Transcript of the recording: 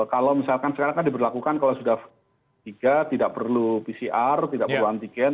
kalau misalkan sekarang kan diberlakukan kalau sudah tiga tidak perlu pcr tidak perlu antigen